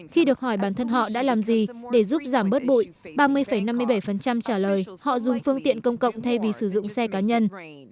khi được hỏi bản thân họ đã làm gì để giúp giảm bớt bụi ba mươi năm mươi bảy trả lời họ dùng phương tiện công cộng thay vì sử dụng xe cá nhân